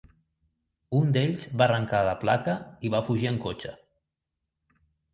Un d’ells va arrencar la placa i va fugir en cotxe.